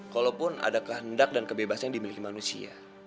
kalaupun ada kehendak dan kebebasan yang dimiliki manusia